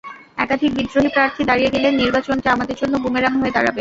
একাধিক বিদ্রোহী প্রার্থী দাঁড়িয়ে গেলে নির্বাচনটি আমাদের জন্য বুমেরাং হয়ে দাঁড়াবে।